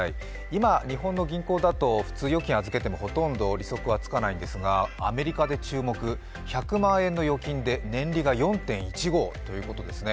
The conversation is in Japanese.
今、日本の銀行だと普通預金を預けてもほとんど利息はつかないんですが、アメリカで注目、１００万円の預金で年利が４．１５ということですね。